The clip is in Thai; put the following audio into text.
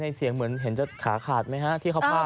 เสียงเหมือนเห็นจะขาขาดไหมฮะที่เขาพาก